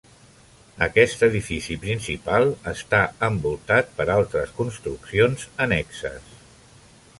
Aquest edifici principal està envoltat per altres construccions annexes.